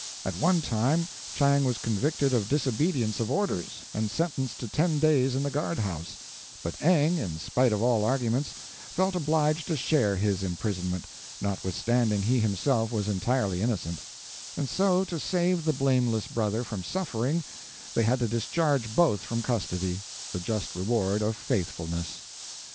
At one time Chang was convicted of disobedience of orders, and sentenced to ten days in the guard house, but Eng, in spite of all arguments, felt obliged to share his imprisonment, notwithstanding he himself was entirely innocent; and so, to save the blameless brother from suffering, they had to discharge both from custody the just reward of faithfulness.